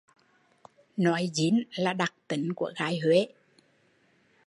Nói dín là đặc tính của gái Huế